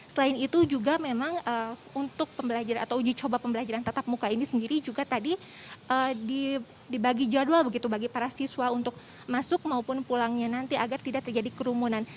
selain itu juga memang untuk pembelajaran atau uji coba pembelajaran tatap muka ini sendiri juga tadi dibagi jadwal begitu bagi para siswa untuk masuk maupun pulangnya nanti agar tidak terjadi kerumunan